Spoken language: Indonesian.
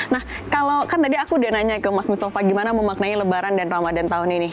nah kalau kan tadi aku udah nanya ke mas mustafa gimana memaknai lebaran dan ramadhan tahun ini